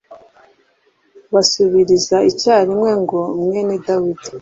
Basubiriza icyarimwe ngo «mwene Dawidi.>>